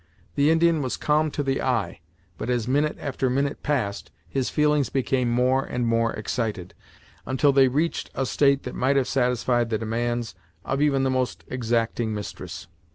The Indian was calm to the eye, but as minute after minute passed, his feelings became more and more excited, until they reached a state that might have satisfied the demands of even the most exacting mistress.